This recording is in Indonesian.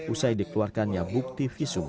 usai dikeluarkannya bukti visum